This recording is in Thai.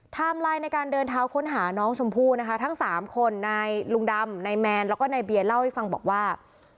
ไทม์ไลน์ในการเดินเท้าค้นหาน้องชมพู่นะคะทั้ง๓คนในลุงดำในแมนแล้วก็ในเบียนเล่าให้ฟังบอกว่า